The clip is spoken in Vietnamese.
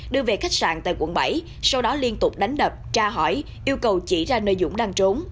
đưa về khách sạn tại quận bảy sau đó liên tục đánh đập tra hỏi yêu cầu chỉ ra nơi dũng đang trốn